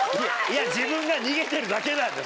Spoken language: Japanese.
自分が逃げてるだけなんだよ！